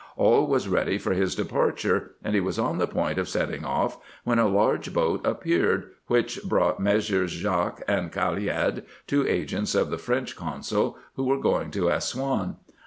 All was ready for his departure, and he was on the point of setting off, when a large boat appeared, which brought Messrs. Jacque and Caliad, two agents of the French consul, who were going to As souan.